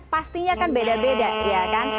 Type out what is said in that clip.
pastinya kan beda beda ya kan